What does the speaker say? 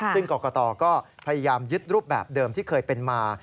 ซึ่งกรกตก็พยายามยึดรูปแบบเดิมที่เคยเป็นมา